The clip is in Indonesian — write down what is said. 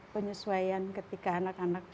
penyesuaian ketika anak anak